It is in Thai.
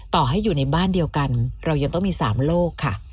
ต่อให้อยู่ในบ้านเดียวกันเรายังต้องมี๓โลกค่ะ